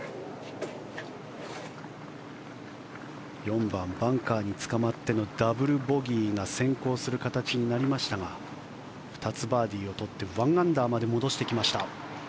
４番バンカーにつかまってのダブルボギーが先行する形になりましたが２つバーディーを取って１アンダーまで戻してきました。